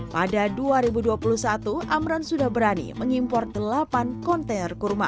pada dua ribu dua puluh satu amran sudah berani mengimpor delapan kontainer kurma